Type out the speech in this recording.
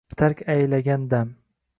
Tark aylagan dam